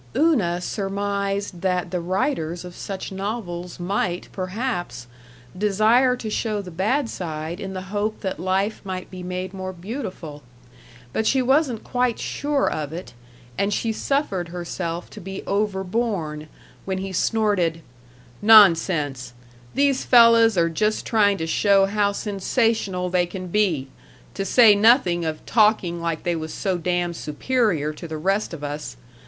Una surmised that the writers of such novels might, perhaps, desire to show the bad side in the hope that life might be made more beautiful. But she wasn't quite sure of it, and she suffered herself to be overborne, when he snorted: "Nonsense! These fellas are just trying to show how sensational they can be, t' say nothing of talking like they was so damn superior to the rest of us.